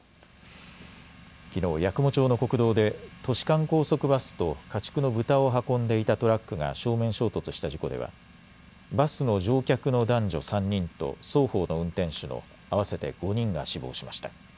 きのう八雲町の国道で都市間高速バスと家畜の豚を運んでいたトラックが正面衝突した事故ではバスの乗客の男女３人と双方の運転手の合わせて５人が死亡しました。